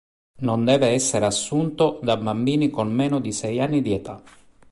Non deve essere assunto da bambini con meno di sei anni di età.